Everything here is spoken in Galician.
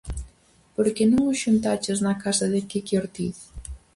Por que non os xuntaches na casa de Quique Ortiz?